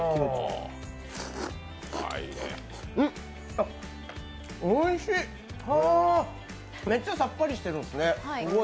あっ、おいしい、はめっちゃさっぱりしてるんですね。